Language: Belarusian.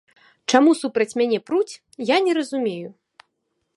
Чаму супраць мяне пруць, я не разумею.